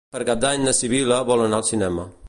Per Cap d'Any na Sibil·la vol anar al cinema.